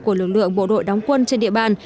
của lực lượng bộ đội đóng quân trên địa bàn